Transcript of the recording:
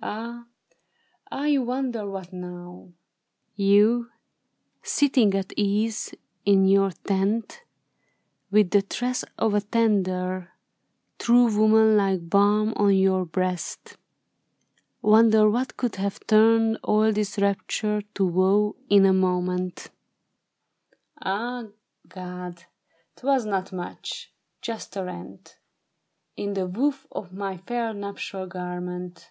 Ah ! ah ! You wonder what now ! You, sitting at ease, in your tent, with the tress Of a tender, true woman like balm on your breast, Wonder what could have turned all this rapture to woe In a moment. Ah, God ! 'twas not much ! Just a rent In the woof of my fair nuptial garment